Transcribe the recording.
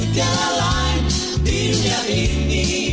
tiada lain di dunia ini